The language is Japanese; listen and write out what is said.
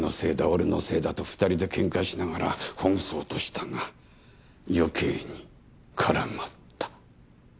俺のせいだと２人でケンカしながらほぐそうとしたが余計に絡まった。